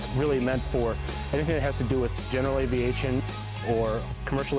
itu benar benar berarti untuk apa yang berkaitan dengan penerbangan jeneral atau penerbangan komersial